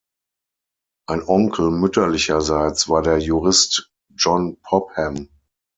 Ein Onkel mütterlicherseits war der Jurist John Popham.